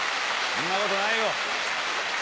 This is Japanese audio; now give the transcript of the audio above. そんなことない！